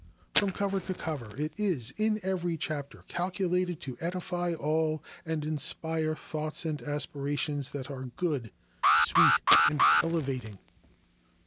From cover to cover it is, in every chapter, calculated to edify all and inspire thoughts and aspirations that are good, sweet and elevating.